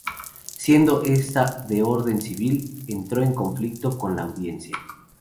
Siendo esta de orden civil, entró en conflicto con la Audiencia.